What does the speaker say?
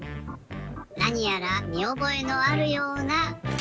なにやらみおぼえのあるような。